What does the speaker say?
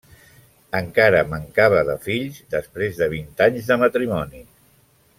Encara mancava de fills, després de vint anys de matrimoni.